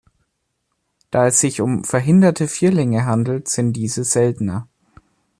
Da es sich um 'verhinderte' Vierlinge handelt, sind diese seltener.